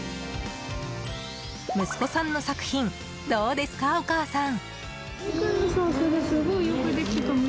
息子さんの作品どうですか、お母さん。